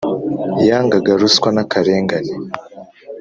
Yangaga ruswa n akarengane